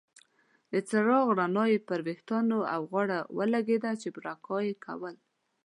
د څراغ رڼا یې پر ویښتانو او غاړه لګیده چې پرکا یې ورکول.